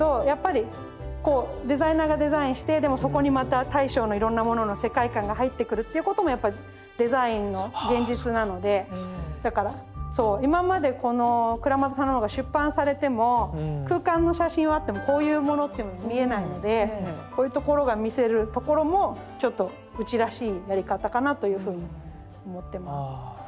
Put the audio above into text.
やっぱりこうデザイナーがデザインしてでもそこにまた大将のいろんなものの世界観が入ってくるっていうこともやっぱりデザインの現実なのでだからそう今までこの倉俣さんの本が出版されても空間の写真はあってもこういうものっていうのは見えないのでこういうところが見せるところもちょっとうちらしいやり方かなというふうに思ってます。